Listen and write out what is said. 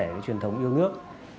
cái truyền thống yêu nước